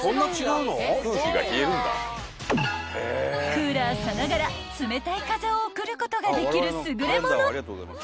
［クーラーさながら冷たい風を送ることができる優れもの］